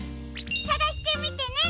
さがしてみてね！